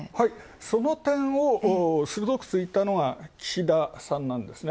その点を、鋭く突いたのが岸田さんなんですね。